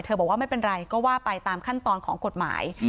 บอกว่าไม่เป็นไรก็ว่าไปตามขั้นตอนของกฎหมาย